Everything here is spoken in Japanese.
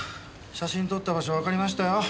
写真撮った場所わかりましたよ。